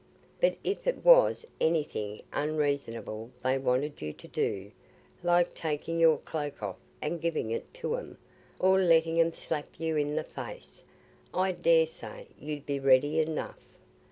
But if it was anything unreasonable they wanted you to do, like taking your cloak off and giving it to 'em, or letting 'em slap you i' the face, I daresay you'd be ready enough.